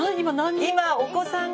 今お子さんが？